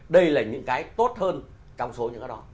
đây là những cái tốt hơn trong số những cái đó